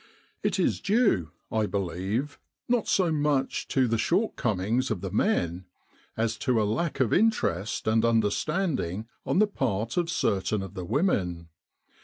It is due, I believe, not so much to the shortcomings of the men, as to a lack of interest and understanding on the part of certain of the women.